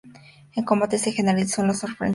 El combate se generalizó en los frentes central y sur.